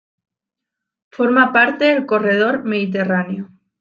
Forma parte del Corredor Mediterráneo.